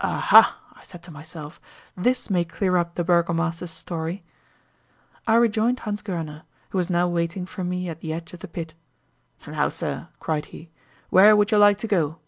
"Aha!" I said to myself; "this may clear up the burgomaster's story." I rejoined Hans Goerner, who was now waiting for me at the edge of the pit. "Now, sir," cried he, "where would you like to go?"